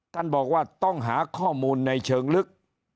ท่านบอกว่าต้องหาข้อมูลในเชิงลึก